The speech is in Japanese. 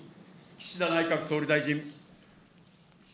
岸田内閣総理大臣。